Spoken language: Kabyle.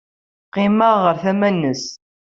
Qqimeɣ ɣer tama-nnes.